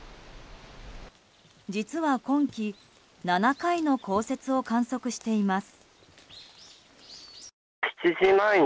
実は今季７回の降雪を観測しています。